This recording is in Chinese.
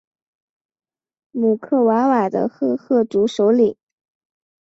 姆克瓦瓦的赫赫族首领。